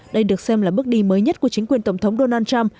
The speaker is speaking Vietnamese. đây được xem là bước đi mới nhất của chính quyền tổng thống donald trump